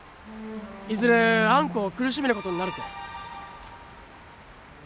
いずれあんこを苦しめることになるて。